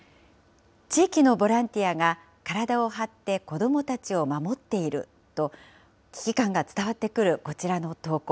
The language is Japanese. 地域のボランティアが体を張って子どもたちを守っていると、危機感が伝わってくるこちらの投稿。